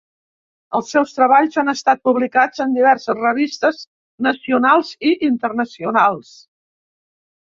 Els seus treballs han estat publicats en diverses revistes nacionals i internacionals.